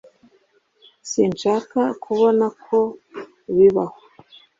sinshaka kubona ko bibaho